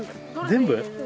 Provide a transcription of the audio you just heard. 全部？